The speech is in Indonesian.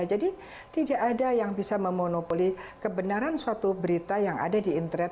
jadi tidak ada yang bisa memonopoli kebenaran suatu berita yang ada di internet